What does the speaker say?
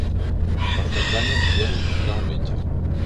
Per Cap d'Any en Biel irà al metge.